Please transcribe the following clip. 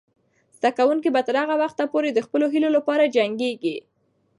زده کوونکې به تر هغه وخته پورې د خپلو هیلو لپاره جنګیږي.